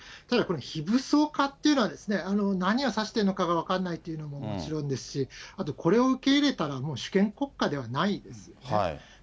ただ、この非武装化っていうのは、何を指してるのかが分からないというのも、もちろんですし、これを受け入れたら、もう主権国家ではないですよね。